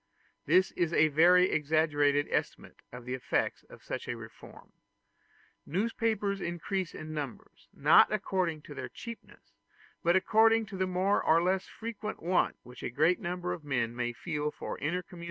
This is a very exaggerated estimate of the effects of such a reform. Newspapers increase in numbers, not according to their cheapness, but according to the more or less frequent want which a great number of men may feel for intercommunication and combination.